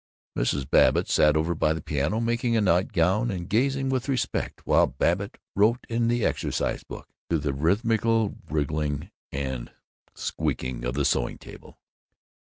Mrs. Babbitt sat over by the piano, making a nightgown and gazing with respect while Babbitt wrote in the exercise book, to the rhythmical wiggling and squeaking of the sewing table.